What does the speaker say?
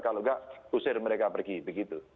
kalau enggak usir mereka pergi begitu